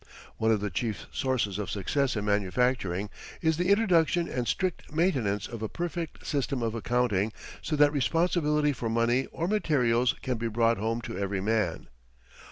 One of the chief sources of success in manufacturing is the introduction and strict maintenance of a perfect system of accounting so that responsibility for money or materials can be brought home to every man.